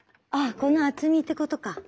あこの厚みってことか。